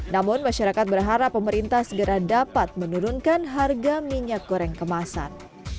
namun masyarakat berharap pemerintah segera dapat menurunkan harga minyak goreng kemasan